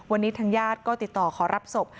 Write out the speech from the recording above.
วันนี้ทางญาติก็ติดต่อขอรับศพ